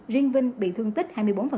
riêng vinh bị thương tích hai mươi bốn